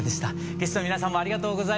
ゲストの皆さんもありがとうございました。